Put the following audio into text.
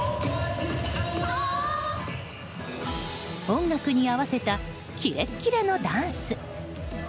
音楽に合わせたキレキレのダンス。